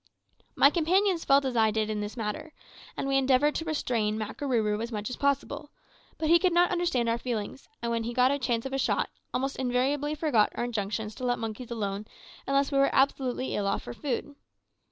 My companions felt as I did in this matter, and we endeavoured to restrain Makarooroo as much as possible; but he could not understand our feelings, and when he got a chance of a shot, almost invariably forgot our injunctions to let monkeys alone unless we were absolutely ill off for food.